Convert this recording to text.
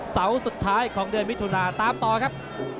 เสาร์สุดท้ายของเดือนมิถุนาตามต่อครับ